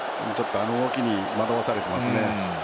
あの動きに惑わされてますね。